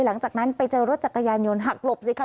หลังจากนั้นไปเจอรถจักรยานยนต์หักหลบสิคะ